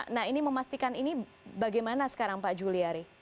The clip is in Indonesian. nah ini memastikan ini bagaimana sekarang pak juliari